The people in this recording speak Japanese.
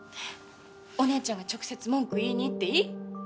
お姉ちゃんが直接文句言いにいっていい？